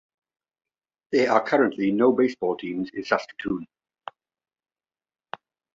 There are currently no baseball teams in Saskatoon.